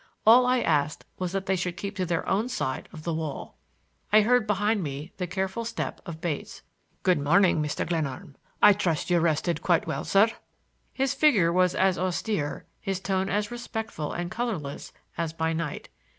All I asked was that they should keep to their own side of the wall. I heard behind me the careful step of Bates. "Good morning, Mr. Glenarm. I trust you rested quite well, sir." His figure was as austere, his tone as respectful and colorless as by night.